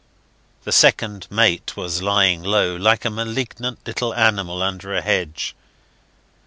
The second mate was lying low, like a malignant little animal under a hedge.